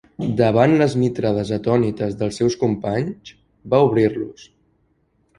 Davant les mitrades atònites dels seus companys, va obrir-los.